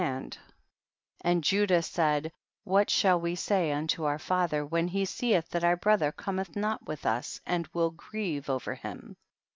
I and Judah said, what shall we say unto our father, when he seeth that our brother cometh not with us, aJid will grieve over him